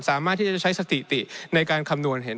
สามารถที่จะใช้สถิติในการคำนวณเห็น